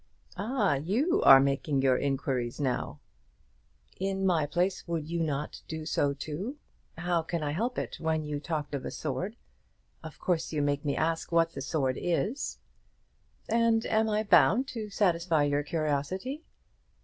"Ah! you are making your inquiries now." "In my place would not you do so too? How can I help it when you talked of a sword? Of course you make me ask what the sword is." "And am I bound to satisfy your curiosity?"